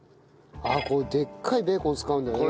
あっこういうでっかいベーコン使うんだね。